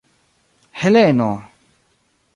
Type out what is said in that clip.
Heleno!